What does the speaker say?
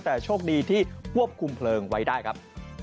แต่โชคดีที่ควบคุมเพลิงไว้ได้ครับ